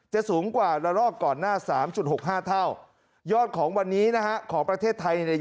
สูงกว่าระลอกก่อนหน้า๓๖๕เท่ายอดของวันนี้นะฮะของประเทศไทยเนี่ย